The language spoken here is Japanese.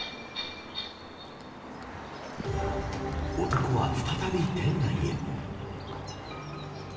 男は再び店内へ。